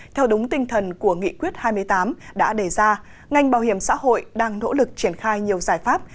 theo đúng tinh thần của nghị quyết hai mươi tám đã đề ra ngành bảo hiểm xã hội đang nỗ lực triển khai nhiều giải pháp